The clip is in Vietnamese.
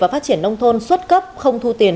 và phát triển nông thôn xuất cấp không thu tiền